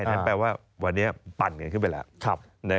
นั่นแปลว่าวันนี้ปั่นกันขึ้นไปแล้ว